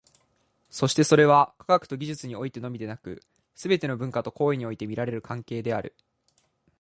そしてそれは、科学と技術においてのみでなく、すべての文化と行為において見られる関係である。